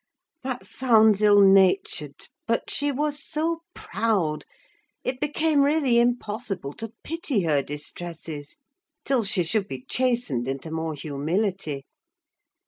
That sounds ill natured: but she was so proud, it became really impossible to pity her distresses, till she should be chastened into more humility.